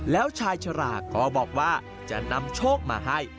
แล้วชายชราก็บอกว่าจะนำโชคมาให้